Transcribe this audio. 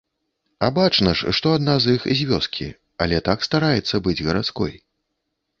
А бачна ж, што адна з іх з вёскі, але так стараецца быць гарадской.